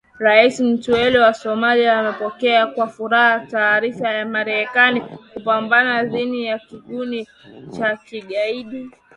Rais Mteule wa Somalia amepokea kwa furaha taarifa ya Marekani kupambana dhidi ya Kikundi cha Kigaidi